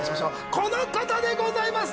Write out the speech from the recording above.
この方でございます！